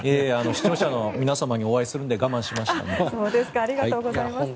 視聴者の皆さんにお会いするので我慢しました。